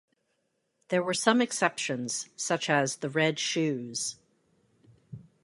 There were some exceptions, such as "The Red Shoes".